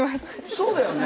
そうだよね？